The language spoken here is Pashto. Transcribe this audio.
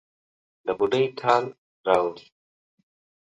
د بوډۍ ټال راوړي